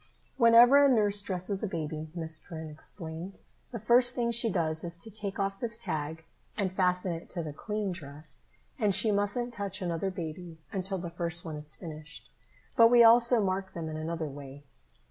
"Whenever a nurse dresses a baby," Miss Perrin explained, "the first thing she does is to take off this tag and fasten it to the clean dress. And she mustn't touch another baby until the first one is finished. But we also mark them in another way."